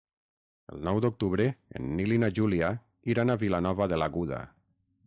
El nou d'octubre en Nil i na Júlia iran a Vilanova de l'Aguda.